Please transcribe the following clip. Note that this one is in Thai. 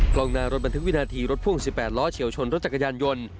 กล้องหน้ารถบันทึกวินาทีรถพ่วง๑๘ล้อเฉียวชนรถจักรยานยนต์